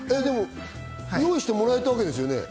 用意してもらえたわけですよね？